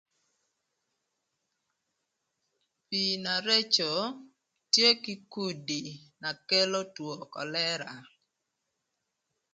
Pii na reco tye kï kudi na kelo two kölëra